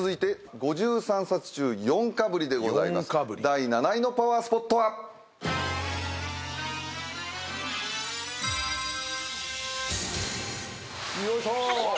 第７位のパワースポットは？よいしょ。